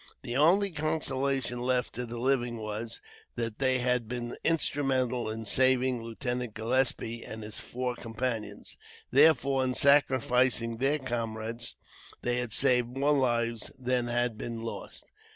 The only consolation left to the living was, that they had been instrumental in saving Lieutenant Gillespie and his four companions; therefore, in sacrificing their comrades, they had saved more lives than had been lost.